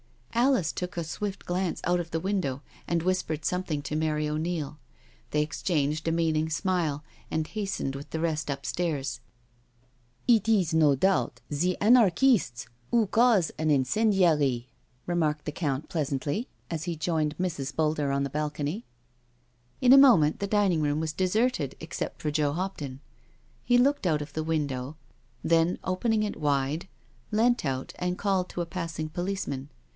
^* Alice took a swift glance out of the window and whispered something to Mary O'Neil. They exchanged a meaning smile and hastened with the rest upstairs. "It is no doubt the Anarchists who cause an incen diary," remarked the Count pleasantly, as he joined Mrs. Boulder on the balcony. In a moment the dining room was deserted except for Joe Hopton. He looked out of the window, then opening it wide, leant out and called to a passing policeman.